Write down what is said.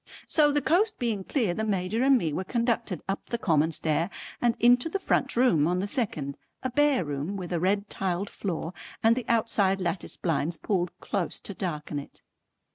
So the coast being clear, the Major and me were conducted up the common stair and into the front room on the second, a bare room with a red tiled floor and the outside lattice blinds pulled close to darken it.